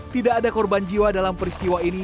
tidak ada korban jiwa dalam peristiwa ini